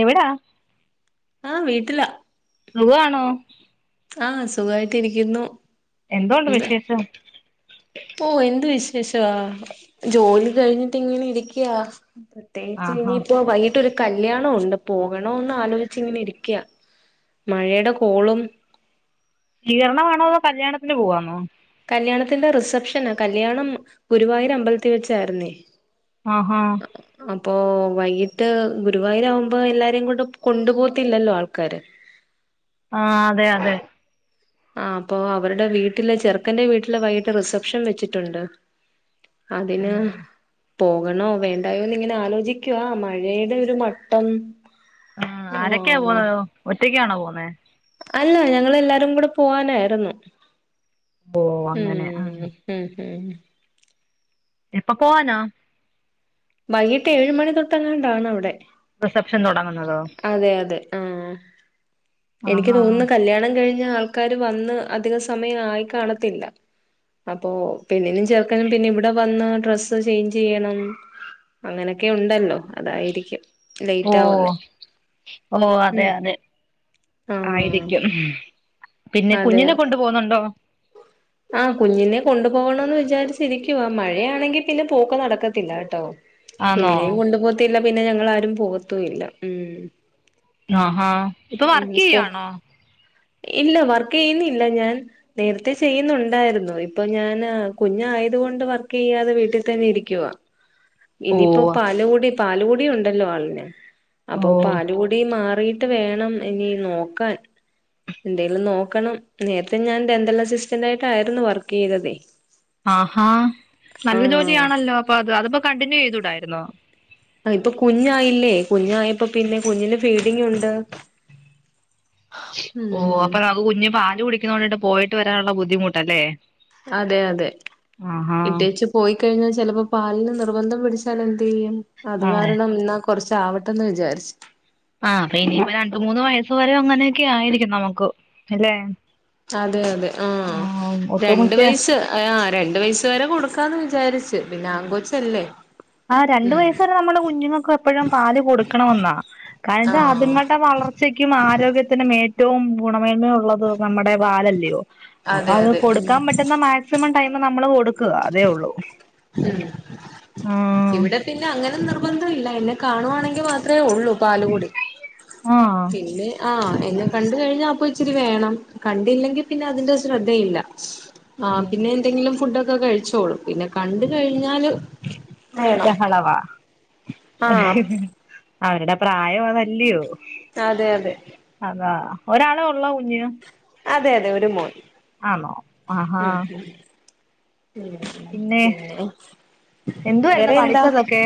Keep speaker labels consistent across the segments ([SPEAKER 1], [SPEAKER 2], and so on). [SPEAKER 1] എവിടാ
[SPEAKER 2] ആഹ വീട്ടിലാ
[SPEAKER 1] സുഖാണോ
[SPEAKER 2] ആ സുഖായിട്ട ഇരിക്കുന്നു
[SPEAKER 1] എന്തോണ്ട് വിശേഷം
[SPEAKER 2] ഓ എന്ത് വിശേഷാ ജോലി കഴിഞ്ഞിട്ടിങ്ങനിരിക്കുവാ പ്രത്യേകിച്ച്
[SPEAKER 1] ആഹാ
[SPEAKER 2] ഇനിയിപ്പോ വൈകിട്ടൊരു കല്യാണ ഉണ്ട് പോകണോന്ന് ആലോചിച്ചിങ്ങനെ ഇരിക്കുവ മഴയുടെ കോളും
[SPEAKER 1] സ്വീകരണമാേണോെതൊ കല്യാണത്തിന് പോവാന്നോ
[SPEAKER 2] കല്യാണത്തിന്റെറെ റിസപ്ഷന കല്യാണം ഗുരുവായൂർ അമ്പലത്തിൽ വെച്ചാര്ന്നേ
[SPEAKER 1] ആഹഹ
[SPEAKER 2] അപ്പൊ വൈകിട്ട് ഗുരുവായൂരാമ്പോ എല്ലാരെയും കൂട കൊണ്ടു പോത്തില്ലല്ലോ ആൾക്കാര്
[SPEAKER 1] ആഹ അതെ അതെ
[SPEAKER 2] ആ അപ്പൊ അവരുടെ വീട്ടില് ചെറുക്കന്റെ വീട്ടില് വൈകിട്ട് റിസപ്ഷൻ വെച്ചിട്ടുണ്ട് അതിന് പോകണോ വേണ്ടായോന്ന് ഇങ്ങനെ ആലോചിക്കുവ മഴയുടെ ഒരു മട്ടം
[SPEAKER 1] ആ ആരൊക്കെയാ
[SPEAKER 2] ആഹ്
[SPEAKER 1] പോന്നത് ഒറ്റക്കാണോ പോന്നേ
[SPEAKER 2] അല്ല ഞങ്ങളെല്ലാരും കൂടെ പോവാനായിരുന്നു
[SPEAKER 1] ഓ അങ്ങനെ ആ
[SPEAKER 2] ഉം ഉം ഉം
[SPEAKER 1] എപ്പൊപോകാന
[SPEAKER 2] വൈകിട്ട് ഏഴുമണിതൊട്ടങ്ങാണ്ടാണവിടെ
[SPEAKER 1] റിസപ്ഷൻ തുടങ്ങുന്നതോ
[SPEAKER 2] ആ എനിക്ക്
[SPEAKER 1] ആഹാ
[SPEAKER 2] തോന്നുന്ന് കല്യാണം കഴിഞ് ആൾക്കാര് വന്ന് അധിക സമയം ആയി കാണത്തില്ല അപ്പൊ പെണ്ണിനും ചെർക്കനും പിന്നെ ഇവിടെ വന്ന് ഡ്രസ്സ് ചേഞ്ച് ചെയ്യണം അങ്ങനൊക്കെ ഉണ്ടല്ലോ അതായിരിക്കും
[SPEAKER 1] ഓ
[SPEAKER 2] ലേറ്റ് ആവുന്നെ
[SPEAKER 1] ഓ അതെ
[SPEAKER 2] ഉം
[SPEAKER 1] അതെ
[SPEAKER 2] ആഹ്
[SPEAKER 1] ആയിരിക്കും പിന്നെ കുഞ്ഞിനെ കൊണ്ടു പോന്നൊണ്ടോ
[SPEAKER 2] ആഹ കുഞ്ഞിനെ കൊണ്ടു പോണന്ന് വിചാരിച്ചിരിക്കുവാ മഴയാണെങ്കിൽ പിന്നെ പോക്ക് നടക്കത്തില്ല കേട്ടോ
[SPEAKER 1] ആന്നോ
[SPEAKER 2] കുഞ്ഞിനെയും കൊണ്ടു പോത്തില്ല പിന്നെ ഞങ്ങളാരും പോവത്തും ഇല്ല ഉം
[SPEAKER 1] ആഹഹാ ഇപ്പൊ
[SPEAKER 2] ഉം
[SPEAKER 1] വർക്ക്
[SPEAKER 2] സ്കൂ
[SPEAKER 1] ചെയ്യുവാണോ
[SPEAKER 2] ഇല്ല വർക്ക് ചെയ്യുന്നില്ല ഞാൻ നേരത്തെ ചെയ്യുന്നുണ്ടായിരുന്നു ഇപ്പൊ ഞാൻ കുഞ്ഞായത് കൊണ്ട് വർക്ക് ചെയ്യാതെ വീട്ടിൽ തന്നെ ഇരിക്കുവ
[SPEAKER 1] ഉ
[SPEAKER 2] ഇനിയിപ്പോ പാലുകൂടി പാലുകൂടി ഉണ്ടല്ലോ ആളിന് അപ്പൊ
[SPEAKER 1] ഓ
[SPEAKER 2] പാലുകൂടി മാറിട്ട് വേണം ഇനി നോക്കാൻ എന്തെലും നോക്കണം നേരത്തെ ഞാൻദന്തലസിസ് റ്റന്റായിട്ടായിരുന്നു വർക്ക് ചെയ്തതേ
[SPEAKER 1] ആ നല്ല
[SPEAKER 2] ആഹ്
[SPEAKER 1] ജോലിയാണല്ലോ അപ്പൊ അത് അതിപ്പോ കണ്ടിന്യൂ ചെയ്തൂടായിരുന്നോ
[SPEAKER 2] അ ഇപ്പൊ കുഞ്ഞായില്ലേ കുഞ്ഞായപ്പോ പിന്നെ കുഞ്ഞിന് ഫീഡിങ് ഉണ്ട്
[SPEAKER 1] ഓ
[SPEAKER 2] ഉം
[SPEAKER 1] അപ്പൊ നമുക്ക് കുഞ്ഞി പാല് കുടിക്കുന്നണ്ടട്ട് പോയിട്ട് വരാനുള്ള ബുദ്ധിമുട്ടല്ലേ
[SPEAKER 2] അതെ അതെ
[SPEAKER 1] ആഹാ
[SPEAKER 2] ഇട്ടേച്ച് പോയിക്കഴിഞ്ഞാൽ ചിലപ്പോ പാലിന് നിർബന്ധം പിടിച്ചാലെന്ത് ചെയ്യും അത്
[SPEAKER 1] ആഹ്
[SPEAKER 2] കാരണം എന്നാ കൊറച്ച ആവട്ടെന്ന് വിചാരിച്ചു
[SPEAKER 1] ആ ഇനീപ്പ ഇനിയിപ്പോ രണ്ട് മൂന്ന് വയസ് വരെ അങ്ങനെയൊക്കെ ആയിരിക്കും നമുക്ക് അല്ലെ
[SPEAKER 2] അതെ അതെ ആ
[SPEAKER 1] ആഹ്
[SPEAKER 2] രണ്ട്
[SPEAKER 1] ഒട്ടുമിക്ക
[SPEAKER 2] വയസ് ആ് രണ്ട വയസ് വരെ കൊടുക്കാന്ന് വിച വിചാരിച്ച് പിന്നാങ്കൊച്ചല്ലേ
[SPEAKER 1] ആ രണ്ടു വയസ വരെ നമ്മുടെ കുഞ്ഞുങ്ങൾക്കെപ്പഴും പാല് കൊടുക്കണവന്നാ കാരച്ചാ
[SPEAKER 2] ആഹ്
[SPEAKER 1] അതുങ്ങളുടെ വ ളർച്ചക്കും ആരോഗ്യത്തിനും ഏറ്റവും ഗുണമേന്മയ ഉള്ളത് നമ്മുടെ പാലല്ലയോ അപ്പൊ
[SPEAKER 2] അതെ
[SPEAKER 1] അത്
[SPEAKER 2] അതെ ഉം
[SPEAKER 1] കൊടുക്കാൻ പറ്റുന്ന മാക്സിമം ടൈം നമ്മള് കൊടുക്കുക അതേ ഒള്ളൂ
[SPEAKER 2] ഉം ഇവിടെ പിന്നെ അങ്ങനെ നിർബന്ധം ഇല്ല എന്നെ കാണുവാണെങ്കിൽ മാത്രമേ ഉള്ളൂ പാലുകുടി
[SPEAKER 1] ആഹ്
[SPEAKER 2] പിന്നെ ആഹ് എന്നെ കണ്ട് കഴിഞ്ഞാൽ അപ്പ ഇച്ചിരി വേണം കണ്ടില്ലെങ്കിൽ പിന്നെ അതിന്റെ ശ്രദ്ധയില്ല ആ പിന്നെ എന്തെങ്കിലും ഫുഡൊക്കെ കഴിച്ചോളും പിന്നെ കണ്ട് കഴിഞ്ഞാല് വേണം
[SPEAKER 1] ബഹളവാ
[SPEAKER 2] ആഹ്
[SPEAKER 1] അവരുടെ പ്രായം അതല്ലയോ
[SPEAKER 2] അതെ അതെ
[SPEAKER 1] അതാ ഒരാളെ ഒള്ളോ കുഞ്ഞ്
[SPEAKER 2] അതെ അതെ ഒരു മോൻ
[SPEAKER 1] ആണോ ആഹാ
[SPEAKER 2] ഉം പിന്നെ
[SPEAKER 1] എന്തുവായിരുന്നു
[SPEAKER 2] വേറെ എന്താ
[SPEAKER 1] പഠിച്ചതൊക്കെ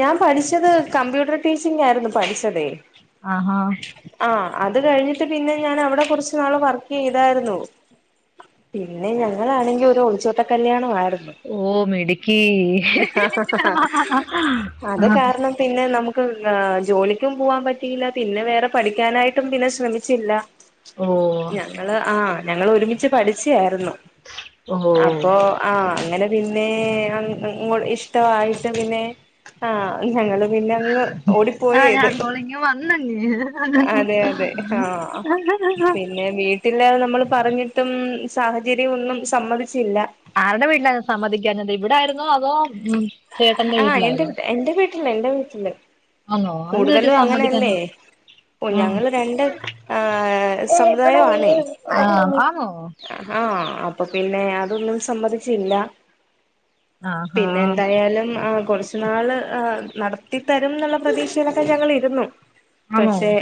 [SPEAKER 2] ഞാൻ പഠിച്ചത് കമ്പ്യൂട്ടർ ടീച്ചിംഗായിരുന്നു പഠിച്ചതേ
[SPEAKER 1] ആഹാ
[SPEAKER 2] ആഹ് അത് കഴിഞ്ഞിട്ട് പിന്നെ ഞാൻ അവിടെ കുറച്ച് നാള് വർക്ക് ചെയ്തായിരുന്നു പിന്നെ ഞങ്ങളാണെങ്കിൽ ഒരു ഒളിച്ചോട്ട കല്യാണം ആയി
[SPEAKER 1] ഓ മിടുക്കി
[SPEAKER 2] അത് കാരണം പിന്നെ നമുക്ക് ജോലിക്കും പോവാൻ പറ്റിയില്ല പിന്നെ വേറെ പഠിക്കാനായിട്ടും പിന്നെ ശ്രമിച്ചില്ല
[SPEAKER 1] ഓ
[SPEAKER 2] ഞങ്ങള് ആ ഞങ്ങള് ഒരുമിച്ച് പഠിച്ചയായിരുന്നു
[SPEAKER 1] ഓ
[SPEAKER 2] അപ്പൊ ആഹ് അങ്ങനെ പിന്നെ അ അങ്ങ് ഇഷ്ടമായിട്ട് പിന്നെ ആ ഞങ്ങള് പിന്നെങ്ങ് ഓടിപ്പോയ
[SPEAKER 1] ആ
[SPEAKER 2] ചെയ്ത്
[SPEAKER 1] ഞാൻ കോളിങ് വന്നങ്ങ്
[SPEAKER 2] അതെ അതെ ആഹ് പിന്നെ വീട്ടില് നമ്മൾ പറഞ്ഞിട്ടും സാഹചര്യം ഒന്നും സമ്മതിച്ചില്ല
[SPEAKER 1] ആരുടെ വീട്ടിലായിരുന്നു സമ്മതിക്കാഞ്ഞത് ഇവിടായിരുന്നോ അതോ ഉം ചേട്ടന്റെ വീട്ടിലായിരുന്നോ
[SPEAKER 2] ഇല്ല എന്റെ വീട്ടില്
[SPEAKER 1] ആന്നോ അതെന്നാ പറ്റി
[SPEAKER 2] കൂടുതലും അങ്ങനെയല്ലേ
[SPEAKER 1] സമ്മതിക്കാഞ്ഞേ
[SPEAKER 2] ഓ ഞങ്ങള് രണ്ട് ആ സമുദായമാണേ
[SPEAKER 1] ആ ആ ആന്നോ ഉ
[SPEAKER 2] ആ അപ്പൊ പിന്നെ അതൊന്നും സമ്മതിച്ചില്ല
[SPEAKER 1] ആഹാ
[SPEAKER 2] പിന്നെ എന്തായാലും ആ കുറച്ച് നാൾ നടത്തിത്തരും എന്നുള്ള പ്രതീക്ഷയിലൊക്കെ ഞങ്ങളിരുന്നു
[SPEAKER 1] ആന്നോ
[SPEAKER 2] പക്ഷെ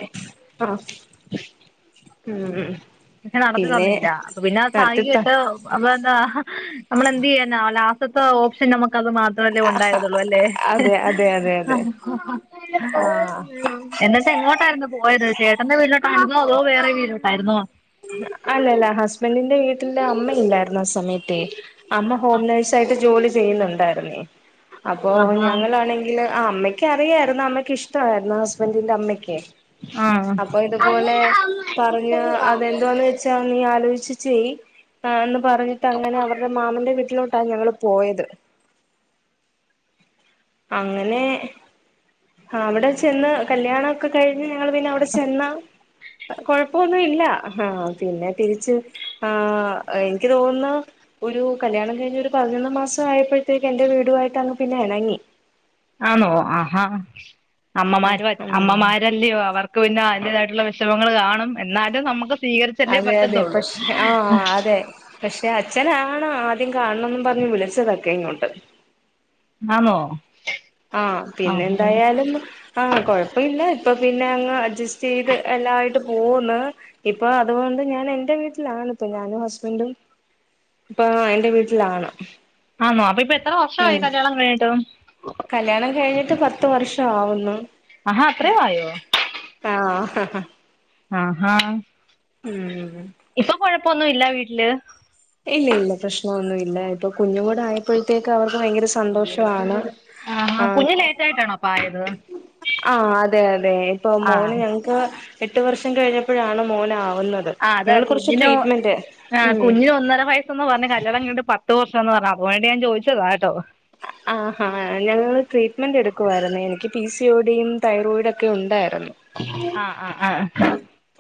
[SPEAKER 2] ആഹ്
[SPEAKER 1] പക്ഷെ നടത്തി തന്നില്ല അപ്പ പിന്നെ സഹി
[SPEAKER 2] നടത്തി ത
[SPEAKER 1] കേട്ട് അപ്പോ എന്താ നമ്മള് എന്ത് ചെയ്യാനാ ലാസ്റ്റത്തെ ഓപ്ഷൻ നമുക്ക് ക്ക് അത് മാത്രമല്ലേ ഒണ്ടായിരുന്നുള്ളു അല്ലേ
[SPEAKER 2] അതെ അതെ അതെ അതെ ആ
[SPEAKER 1] എന്നിട്ട് എങ്ങോട്ടായിരുന്നു പോയത് ചേട്ടന്റെ വീട്ടിലോട്ടായിരുന്നോ അതോ വേറെ വീട്ടിലോട്ടായിരുന്നോ
[SPEAKER 2] അല്ലല്ല ഹസ്ബൻ്റിന്റെ വീട്ടിൽ അമ്മ ഇല്ലായിരുന്നു ആ സമയത്തെ അമ്മ ഹോം നേഴ്സ് ആയിട്ട് ജോലി ചെയ്യുന്നൊണ്ടായിരുന്നേ അപ്പോ
[SPEAKER 1] ആഹാ
[SPEAKER 2] ഞങ്ങളാണെങ്കില് ആ അമ്മയ്ക്ക് അറിയായിരുന്നു അമ്മയ്ക്ക് ഇഷ്ടമായിരുന്നു ഹസ്ബൻഡിന്റെ അമ്മക്കെ
[SPEAKER 1] ആ
[SPEAKER 2] അപ്പൊ ഇതുപോലെ പറഞ്ഞാ അത് എന്തു വാന്ന് വെച്ചാൽ നീ ആലോചിച്ച് ചെയ് എന്ന് പറഞ്ഞിട്ട് അങ്ങനെ അവരുടെ മാമന്റെ വീട്ടിലോട്ട് ട്ടാ ഞങ്ങള് പോയത് അങ്ങനെ ആ അവിടെ ചെന്ന് കല്യാണം ഒക്കെ കഴിഞ്ഞ് ഞങ്ങള് പിന്നെ അവിടെ ചെന്ന് കൊഴപ്പൊന്നുല്ല ആഹ് പിന്നെ തിരിച്ച് ആ എനിക്ക് തോന്നുന്നു ഒരു കല്യാണം കഴിഞ്ഞ് ഒരു പതിനൊന്ന് മാസം ആയപ്പോഴത്തേക്ക് എൻ്റെ വീടുവായിട്ട് അങ്ങ് പിന്നെ എണങ്ങി
[SPEAKER 1] ആന്നോ ആഹാ
[SPEAKER 2] ആ
[SPEAKER 1] അമ്മമാര് [unintelligible]
[SPEAKER 2] ഉം
[SPEAKER 1] അമ്മമാരല്ലേയോ അവർക്ക് പിന്നെ അതിൻ്റെതായിട്ടു ള്ള വിഷമങ്ങൾ കാണും എന്നാലും നമുക്ക് സ്വീകരിച്ചല്ലേ
[SPEAKER 2] അതെ അതെ
[SPEAKER 1] പറ്റത്തുള്ളൂ
[SPEAKER 2] പക്ഷെ ആ അതെ പക്ഷെ അച്ഛനാണ് ആദ്യം കാണണന്നും പറഞ്ഞ് വിളിച്ചതൊക്കെ ഇങ്ങോട്ട്
[SPEAKER 1] ആന്നോ
[SPEAKER 2] ആ പിന്നെ
[SPEAKER 1] ആഹാ
[SPEAKER 2] എന്തായാലും ആ കൊഴപ്പില്ല ഇപ്പ പിന്നെ അങ്ങ് അഡ്ജസ്റ്റ് ചെയ്ത് എല്ലായിട്ട് പോന്നു ഇപ്പൊ അതുകൊണ്ട് ഞാൻ എൻ്റെ വീട്ടിലാണ് ഇപ്പ ഞാനും ഹസ്ബൻ്റും ഇപ്പ എന്റെ വീട്ടിലാണ്
[SPEAKER 1] ആണോ അപ്പ ഇപ്പൊ എത്ര വർഷമായി
[SPEAKER 2] ഉം
[SPEAKER 1] കല്യാണം കഴിഞ്ഞിട്ട്
[SPEAKER 2] കല്യാണം കഴിഞ്ഞിട്ട് പത്ത് വർഷാവുന്നു
[SPEAKER 1] ആഹാ അത്രേം ആയോ
[SPEAKER 2] ആഹ്
[SPEAKER 1] ആ
[SPEAKER 2] ഉം ഉ
[SPEAKER 1] പ്പൊന്നുല്ല വീട്ടില്
[SPEAKER 2] ഇല്ല ഇല്ല പ്രശ്നമൊന്നുവില്ല ഇപ്പൊ കുഞ്ഞൂട ആയപ്പോഴത്തേക്ക് അവർക്ക് ഭയങ്കര സന്തോഷാണ്
[SPEAKER 1] ആ കുഞ്ഞ് ലേറ്റായിട്ടാണോ അപ്പായത്
[SPEAKER 2] ആ അതെ അതെ ഇപ്പൊ മോന് ഞങ്ങക്ക് എട്ട് വർഷം കഴിഞ്ഞപ്പോഴാണ് മോനാ ഒന്നത്
[SPEAKER 1] ആഹ് അതാ
[SPEAKER 2] ഞങ്ങള് കുറച്ച്
[SPEAKER 1] കുഞ്ഞിനു
[SPEAKER 2] ട്രീറ്റ്മെന്റ്
[SPEAKER 1] ആഹ്
[SPEAKER 2] മ്
[SPEAKER 1] കുഞ്ഞിന് ഒന്നര പറഞ്ഞ് കല്യാണം കഴിഞ്ഞിട്ട് പത്ത് വർഷം എന്ന് പറഞ്ഞു അത് കൊണ്ട് ഞാൻ ചോദിച്ചതാട്ടോ
[SPEAKER 2] ആഹാ ഞങ്ങള് ട്രീറ്റ്മെന്റ് എടുക്കുവായിരുന്നേ എനിക്ക് പി സി ഒഡിയും തൈറോയിഡും ഒക്കെ ഉണ്ടാ
[SPEAKER 1] ആ ആഹ് ആ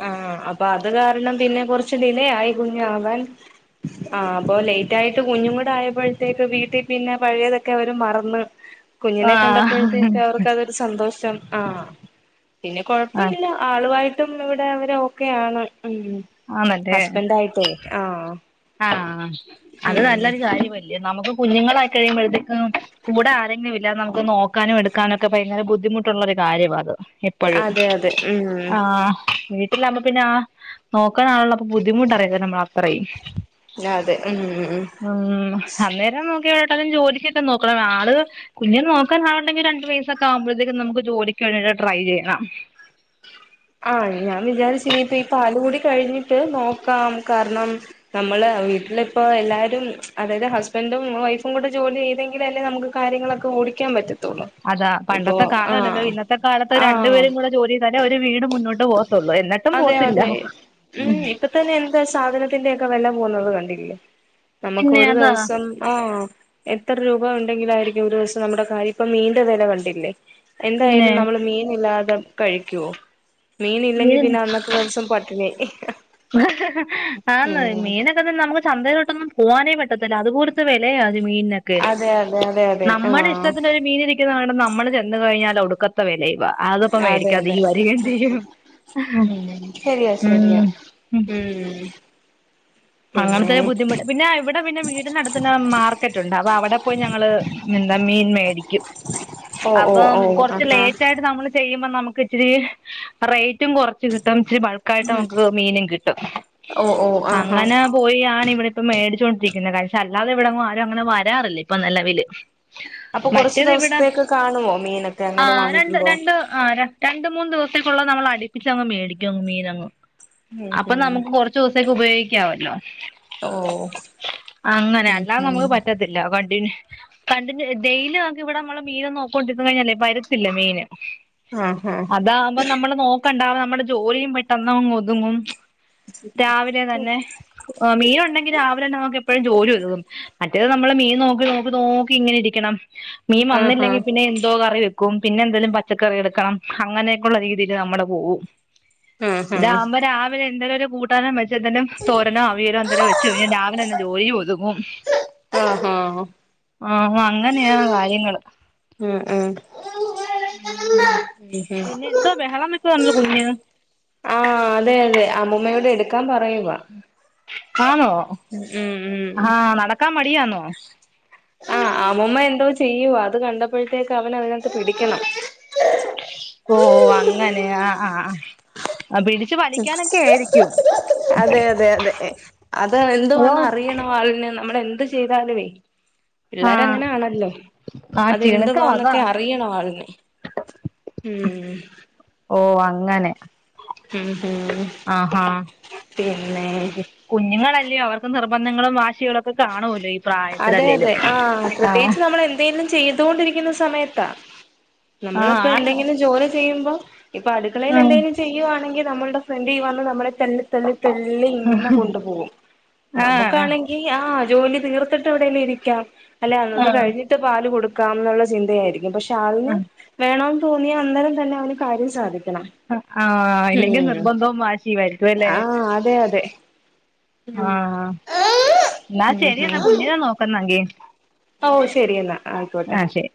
[SPEAKER 2] ആ അപ്പൊ അത് കാരണം പിന്നെ കുറച്ച് ഡിലെയായി കുഞ്ഞാവാൻ ആ അപ്പൊ ലേറ്റായിട്ട് കുഞ്ഞും കൂടെ ആയപ്പോഴത്തേക്ക് വീട്ടീ പിന്നെ പഴയതൊക്കെ അവര് മറന്ന് കുഞ്ഞിനെ
[SPEAKER 1] ആഹ്
[SPEAKER 2] കണ്ടപ്പോഴത്തേക്ക് അവർക്ക് അതൊരു സന്തോഷം ആ പിന്നെ
[SPEAKER 1] ആഹ്
[SPEAKER 2] കൊഴപ്പില്ല ആളുവായിട്ടും ഇവിടെ അവരെ ഓക്കെയാണ് ഉ ഹസ്ബൻഡായിട്ടേ ആ
[SPEAKER 1] ആ അത് നല്ലൊരു കാര്യമല്ല നമുക്ക് കുഞ്ഞുങ്ങളായി കഴിയുമ്പഴ്ത്തേക്കും കൂടെ ആരെങ്കിലും ഇല്ലാ നമുക്ക് നോക്കാനും എടുക്കാനൊക്കെ ഭയങ്കര ബദ്ധിമു ദ്ധിമുട്ടൊള്ളൊരു കാര്യവാത് എപ്പൊഴും
[SPEAKER 2] അതെ അതെ ഉം
[SPEAKER 1] ആ പിന്നെ പിന്നെ ആ നോക്കാനാളൊള്ളപ്പൊ ബുദ്ധിമുട്ടറിയത്തില്ല നമ്മൾ അത്രയും
[SPEAKER 2] അതെ ഉം ഉം
[SPEAKER 1] ഉ അന്നേരം നോക്കി ക്കാലും ജോലിക്കൊക്കെ നോക്കണം ആള് കുഞ്ഞിനെ നോക്കാനാളുണ്ടെങ്കി രണ്ട് വയസൊക്കെ ആവുമ്പോഴത്തേക്ക് നമുക്ക് ജോലിക്ക ട്രൈ ചെയ്യണം
[SPEAKER 2] ഇനിപ്പോ ഈ പാല് കുടി കഴിഞ്ഞിട്ട് നോക്കാം കാരണം നമ്മള് വീട്ടിലിപ്പോ എല്ലാരും അതായത് ഹസ്ബൻഡും വൈഫും കൂ ജോലി ചെയ്തെങ്കിലല്ലേ നമുക്ക് കാര്യങ്ങളൊക്കെ ഓടിക്കാൻ പറ്റു
[SPEAKER 1] അതാ പണ്ടത്തെ കാലമല്ലല്ലോ ഇന്നത്തെ കാലത്ത്
[SPEAKER 2] ആഹ്
[SPEAKER 1] രണ്ടുപേരും കൂടെ ജോലി ചെയ്താലേ ഒരു വീട് മുന്നോട്ട് പോത്തുള്ളൂ എന്നിട്ടും
[SPEAKER 2] അതെ
[SPEAKER 1] പോത്തില്ല
[SPEAKER 2] അതെ ഉം ഇപ്പ തന്നെ എന്താ സാധനത്തിന്റെ ഒക്കെ വെല് പോന്നന്നത് കണ്ടി നമക്ക്
[SPEAKER 1] പിന്നെ
[SPEAKER 2] ഒരു
[SPEAKER 1] അതാ
[SPEAKER 2] ദിവസം ആ എ രൂപ ഉണ്ടെങ്കിലായിരിക്കും ഒരു ദിവസം നമ്മുടെ കാര്യം ഇപ്പ മീൻ്റ വില കണ്ടില്ലേ
[SPEAKER 1] പിന്നെ
[SPEAKER 2] എന്തായാലും നമ്മള് മീനില്ലാതെ കഴിക്കുവോ മീൻ ഇല്ലെങ്കി പിന്നെ അന്നത്തെ ദിവസം പട്ടിണി
[SPEAKER 1] ആന്ന് മീനൊക്കെ തന്നെ നമുക്ക് ചന്തയിലോട്ടൊന്നും പോവാനേ പറ്റി [unintelligible] അത് പോലത്തെ വിലയാ മീനൊക്കെ
[SPEAKER 2] അതെ അതെ അതെ അതെ
[SPEAKER 1] നമ്മുടെ
[SPEAKER 2] ആഹ്
[SPEAKER 1] ഇഷ്ടത്തിന്റെ മീൻ ഇരിക്കുന്ന നമ്മൾ ചെന്ന് കഴിഞ്ഞാ ഒടുക്കത്തെ വെലയും അതൊപ്പ
[SPEAKER 2] അതെ
[SPEAKER 1] മേടിക്കാതെ
[SPEAKER 2] അതെ
[SPEAKER 1] വരികയും ചെയ്യും
[SPEAKER 2] ഉം ശരിയാ ശരിയാ
[SPEAKER 1] ഉം
[SPEAKER 2] ഉം പിന്നെ
[SPEAKER 1] അങ്ങനത്തെ ഒരു ബുദ്ധിമുട്ട് പിന്നെ ഇവിടെ പിന്നെ വീടിനടത്തു തന്നെ മാർക്കറ്റ് ഉണ്ട് അത് അവിടെ പോയ് നമ്മള് മീൻ മേടിക്കും
[SPEAKER 2] ഓ ഓ
[SPEAKER 1] അപ്പ
[SPEAKER 2] ഓ
[SPEAKER 1] കൊറച്ച്
[SPEAKER 2] ആഹാ
[SPEAKER 1] ലേറ്റായിട്ട് നമ്മള് ചെല്ലുമ്പ നമുക്ക് ഇച്ചിരി റേറ്റും കൊറച്ച് കിട്ടും ഇച്ചിരി ബൾക്കായിട്ട് നമുക്ക് മീനും കിട്ടും
[SPEAKER 2] ഓ ഓ ആഹാ
[SPEAKER 1] അങ്ങനെ പോയിയാണ് ഇവിടെ ഇപ്പ മേടിച്ചോ [unintelligible] കാര് അല്ലാതെ ഇവിടെങ്ങും ആരും അങ്ങനെ വരാറില്ല ഇപ്പൊ നിലവില്
[SPEAKER 2] അപ്പൊ കുറച്ചു
[SPEAKER 1] മറ്റേത് ഇവിടെ
[SPEAKER 2] ദിവസത്തേക്ക് കാണുമോ മീനൊക്കെ
[SPEAKER 1] ആ
[SPEAKER 2] അങ്ങനെ
[SPEAKER 1] രണ്ട്
[SPEAKER 2] വാങ്ങിക്കുമ്പോ
[SPEAKER 1] രണ്ട് ആ രണ്ട് മൂന്ന് ദെവസം ക്കുള്ളത് നമ്മള് അടിപ്പിച്ചങ്ങ് മേടിക്കും മീനങ്ങ്
[SPEAKER 2] ഉം
[SPEAKER 1] അപ്പൊ
[SPEAKER 2] ഉം
[SPEAKER 1] നമുക്ക് കൊറച്ച് ദെവസം ഉപയോഗിക്ക കാവല്ലോ,
[SPEAKER 2] ഓ
[SPEAKER 1] അങ്ങനെ
[SPEAKER 2] ഉം
[SPEAKER 1] അല്ലാതെ
[SPEAKER 2] ഉം
[SPEAKER 1] നമുക്ക് പറ്റത്തില്ലാ [unintelligible] കണ്ടിന്യൂ ഡെയിലി നമുക്ക് ഇവിടെ നമ്മള് മീന് നോക്കോണ്ടിന്ന് കഴിഞ്ഞാലേ വരത്തില്ലാ മീന്
[SPEAKER 2] ആഹ്
[SPEAKER 1] അതാകുമ്പം നമ്മള് നോക്കണ്ടാ നമ്മുടെ ജോലിയും പെട്ടെന്ന് ഒതുങ്ങും രാവിലെ തന്നെ മീനുണ്ടെങ്കി രാവിലെ തന്നെ നമുക്ക് എപ്പോഴും ജോലി ഒതുങ്ങും മറ്റേത് നമ്മള് മീൻ നോക്കി നോക്കി നോക്കി ഇങ്ങനെ ഇരിക്കണം മീൻ
[SPEAKER 2] ആഹ് ആഹ്
[SPEAKER 1] വന്നില്ലെങ്കി പിന്നെ എന്തോ കറിവെ ക്കും പിന്നെ എന്തേലും പച്ചക്കറി എടുക്കണം അങ്ങനെയൊക്കെയുള്ള രീതിയില് നമ്മള് പോവും
[SPEAKER 2] ആഹ്
[SPEAKER 1] ഇതാവുമ്പോം
[SPEAKER 2] ആഹ്
[SPEAKER 1] രാവിലെ എന്തേലും ഒരു കൂട്ടാന് [unintelligible] തോരനോ അവിയലോ എന്തേലും വെച്ചു കഴിഞ്ഞാൽ രാവിലെ തന്നെ ജോലി ഒതുങ്ങും
[SPEAKER 2] ആഹ് ആഹ്
[SPEAKER 1] ആഹാ അങ്ങനെയാ കാര്യങ്ങള്
[SPEAKER 2] ഉം ഉം ഉം ഉം
[SPEAKER 1] പിന്നെ എന്തോ ബഹളം വെക്കുവാണല്ലോ കുഞ്ഞ്
[SPEAKER 2] ആ അതെ അതെ അമ്മൂമ്മയോട് എടുക്കാൻ പറയുവാ
[SPEAKER 1] ആന്നോ
[SPEAKER 2] ഉം ഉം
[SPEAKER 1] ആ നടക്കാൻ മടിയാന്നോ
[SPEAKER 2] ആ അമ്മൂമ്മ എന്തോ ചെയ്യുവാ അത് കണ്ടപ്പഴത്തേക്ക് അവനതിനാത്ത് പിടിക്കണം
[SPEAKER 1] ഓ അങ്ങനെ ആ ആഹ് ആഹ് പിടിച്ചു വലിക്കാനൊക്കെ ആയിരിക്കും
[SPEAKER 2] അതെ അതെ അതെ അത്
[SPEAKER 1] ഓ
[SPEAKER 2] എന്തുവാന്ന് അറിയണ [unintelligible] നമ്മള് എന്ത് ചെയ്താലുവേ പിള്ളേര്
[SPEAKER 1] ആഹ്
[SPEAKER 2] അങ്ങനാണല്ലോ
[SPEAKER 1] ആഹ് ചിണുക്കം അതാ
[SPEAKER 2] അതെന്തുവാന്നൊക്കെ അറിയണം ആളിന് ഉം
[SPEAKER 1] ഓ അങ്ങനെ
[SPEAKER 2] ഉം ഉം
[SPEAKER 1] ആഹാ
[SPEAKER 2] പിന്നെ
[SPEAKER 1] കുഞ്ഞുങ്ങള് [unintelligible] അവർക്ക് നിർബന്ധങ്ങളും വാശികളൊക്കെ കാണുമല്ലോ
[SPEAKER 2] അതെ
[SPEAKER 1] പ്രായത്തിലല്ലേലും
[SPEAKER 2] അതെ ആ
[SPEAKER 1] ആഹ്
[SPEAKER 2] പ്രത്യേകിച്ച് നമ്മള് എന്തെങ്കിലും ചെയ്തുകൊണ്ടിരിക്കുന്ന സമയത്താ നമ്മളിപ്പോ
[SPEAKER 1] ആണ്
[SPEAKER 2] എന്തെങ്കിലും ജോലി ചെയ്യുമ്പോ ഇപ്പൊ അടുക്കളയില് എന്തെങ്കിലും ചെയ്യുവാണെങ്കി നമ്മൾടെ ഫ്രണ്ടില് വന്ന് നമ്മ തള്ളി തള്ളി തള്ളി ഇങ്ങനെ കൊണ്ടു പോകും
[SPEAKER 1] ആഹ് ആഹ്
[SPEAKER 2] നമുക്കാണെങ്കി ആ ജോലി തീർ ത്തിട്ട് എവിടേലും ഇരിക്കാം അല്ലെ അത്
[SPEAKER 1] ആഹ്
[SPEAKER 2] കഴിഞ്ഞിട്ട് പാല് കൊടുക്കാം എന്നുള്ള ചിന്തയായിരിക്കും പക്ഷേ [unintelligible] വേണമെന്ന് തോന്നിയാ അന്നേരം തന്നെ അവന് കാര്യം സാധിക്കും
[SPEAKER 1] ആ ഇല്ലെങ്കി നിർബന്ധവും വാശിയുമായിരിക്കും അല്ലേ
[SPEAKER 2] ആഹ് അതെ അതെ
[SPEAKER 1] ആ എന്നാ
[SPEAKER 2] ഉം
[SPEAKER 1] ശരി എന്ന
[SPEAKER 2] ഉം
[SPEAKER 1] എന്നാ കുഞ്ഞിനെ നോക്കുന്നെങ്കി
[SPEAKER 2] ഓ ശെരിയെന്നാ ആയിക്കോട്ടെ
[SPEAKER 1] ആഹ് ശരി